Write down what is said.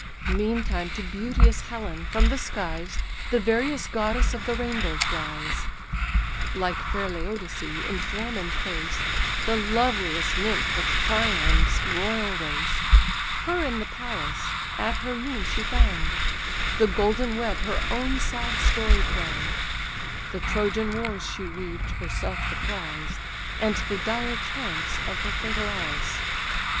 Meantime to beauteous Helen, from the skies The various goddess of the rainbow flies: (Like fair Laodice in form and face, The loveliest nymph of Priam's royal race:) Her in the palace, at her loom she found; The golden web her own sad story crown'd, The Trojan wars she weaved (herself the prize) And the dire triumphs of her fatal eyes.